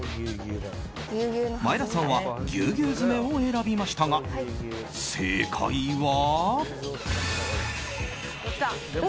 前田さんはギュウギュウ詰めを選びましたが、正解は。